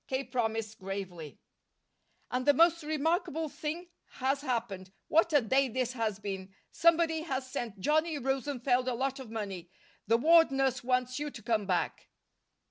K. promised gravely. "And the most remarkable thing has happened. What a day this has been! Somebody has sent Johnny Rosenfeld a lot of money. The ward nurse wants you to come back."